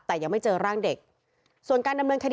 แต่ยังไม่เจอร่างเด็ก